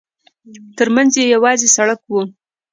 ترمنځ یې یوازې سړک و.